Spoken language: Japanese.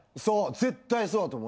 絶対そうだと思う。